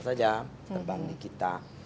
saja terbang di kita